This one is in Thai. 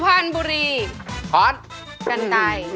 กานไกยกานไกย